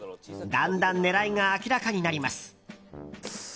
だんだん狙いが明らかになります。